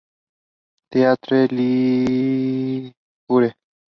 Teatre Lliure.